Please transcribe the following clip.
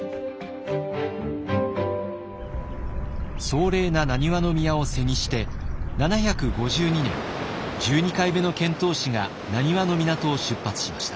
壮麗な難波宮を背にして７５２年１２回目の遣唐使が難波の港を出発しました。